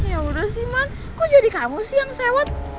ya udah sih man kok jadi kamu sih yang sewat